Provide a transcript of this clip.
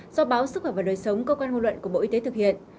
do báo sức khỏe và đời sống cơ quan hôn luận của bộ y tế thực hiện